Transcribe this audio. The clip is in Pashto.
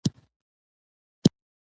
د کچالو په اوبو کې لیمو ور زیات کړئ.